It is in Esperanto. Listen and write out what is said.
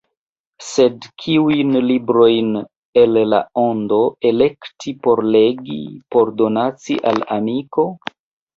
Sed kiujn librojn el la ondo elekti por legi, por donaci al amiko?